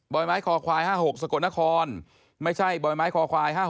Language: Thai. ไม้คอควาย๕๖สกลนครไม่ใช่บ่อยไม้คอควาย๕๖